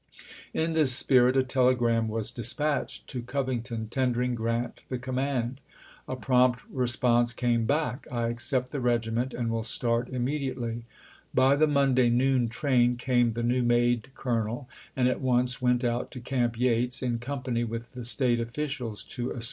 In this spirit, a telegram was dispatched to Cov ington tendering Grant the command. A prompt response came back: "I accept the regiment and will start immediately." By the Monday noon train came the new made colonel, and at once went out to Camp Yates, in company with the State officials, to 1 " Twenty first Infantry, Illi thirty days, by Captain U. S.